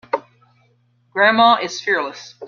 Grandma is fearless.